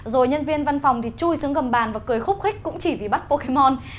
rồi nhân viên văn phòng thì chui xuống gầm bàn và cười khúc khích cũng chỉ vì bắt pokemon